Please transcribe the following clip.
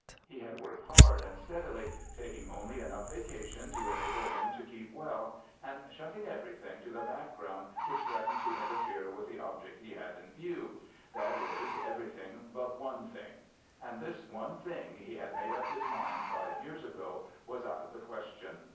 He had worked hard and steadily, taking only enough vacation to enable him to keep well, and shunting everything to the background which threatened to interfere with the object he had in view—that is, everything but one thing. And this one thing he had made up his mind five years ago was out of the question.